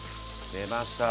出ました。